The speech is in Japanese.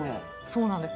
そうなんです。